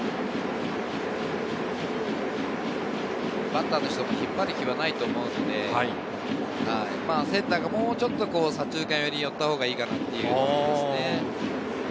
バッターとしても引っ張る気はないと思うので、センターがもうちょっと左中間寄りに寄ったほうがいいのかと思います。